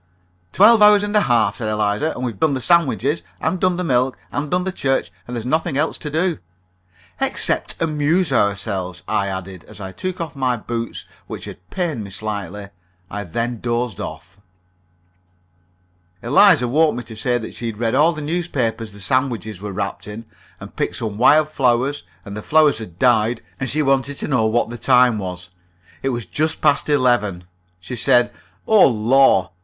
"Twelve hours and a half," said Eliza. "And we've done the sandwiches, and done the milk, and done the church, and there's nothing else to do." "Except amuse ourselves," I added, as I took off my boots, which had pained me slightly. I then dozed off. Eliza woke me to say that she had read all the newspaper the sandwiches were wrapped in, and picked some wild flowers, and the flowers had died, and she wanted to know what the time was. It was just past eleven. She said: "Oh, lor!"